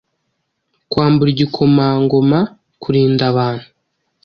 Kwambura igikomangomakurinda abantu